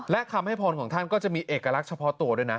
และคำให้พรของท่านก็จะมีเอกลักษณ์เฉพาะตัวด้วยนะ